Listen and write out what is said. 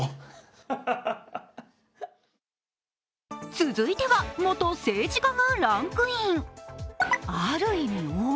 続いては、元政治家がランクイン。